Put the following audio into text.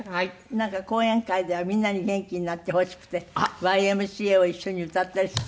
なんか講演会ではみんなに元気になってほしくて『Ｙ．Ｍ．Ｃ．Ａ．』を一緒に歌ったりする？